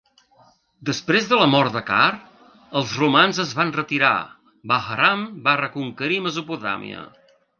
Després de la mort de Car, els romans es van retirar, Bahram va reconquerir Mesopotàmia.